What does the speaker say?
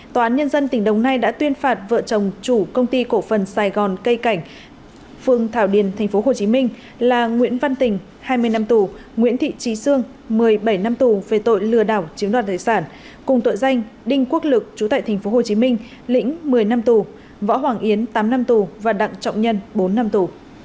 tòa án nhân dân tỉnh đồng nai đã tuyên phạt vợ chồng chủ công ty cổ phần sài gòn cây cảnh phương thảo điền tp hcm là nguyễn văn tỉnh hai mươi năm tù nguyễn thị trí xương một mươi bảy năm tù về tội lừa đảo chiếm đoạt thời sản cùng tội danh đinh quốc lực trú tại tp hcm lĩnh một mươi năm tù võ hoàng yến tám năm tù và đặng trọng nhân bốn năm tù